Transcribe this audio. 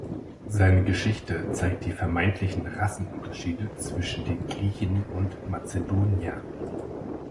Seine Geschichte zeigt die vermeintlichen Rassenunterschiede zwischen den Griechen und Mazedoniern.